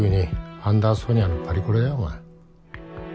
アンダーソニアのパリコレだよお前